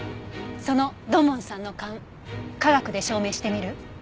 その土門さんの勘科学で証明してみる？